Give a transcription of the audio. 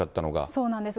そうなんです。